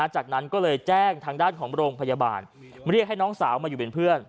จากนั้นก็เลยแจ้งทางด้านของโรงพยาบาลมาเรียกให้น้องสาวมาอยู่เป็นเพื่อน